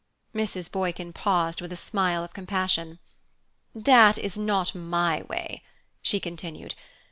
Mrs. Boykin paused with a smile of compassion. "That is not my way," she continued.